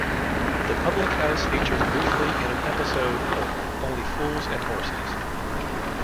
The public house features briefly in an episode of "Only Fools And Horses".